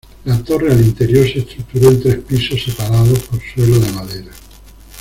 La torre al interior se estructuró en tres pisos separados por suelo de madera.